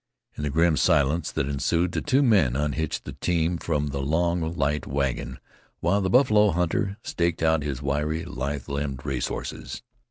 In the grim silence that ensued the two men unhitched the team from the long, light wagon, while the buffalo hunter staked out his wiry, lithe limbed racehorses.